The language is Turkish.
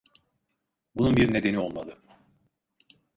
Bunun bir nedeni olmalı.